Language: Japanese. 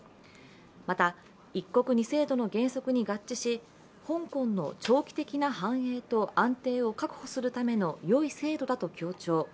また、一国二制度の原則に合致し香港の長期的な繁栄と安定を確保するための良い制度だと強調。